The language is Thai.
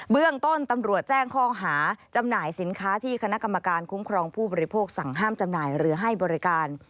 เรื่องต้นตำรวจแจ้งข้อหาจำหน่ายสินค้าที่คณะกรรมการคุ้มครองผู้บริโภคสั่งห้ามจำหน่ายหรือให้บริการ